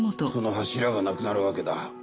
その柱がなくなるわけだ。